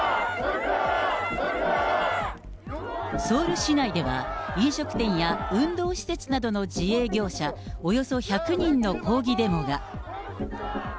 ソウル市内では、飲食店や運動施設などの自営業者、およそ１００人の抗議デモが。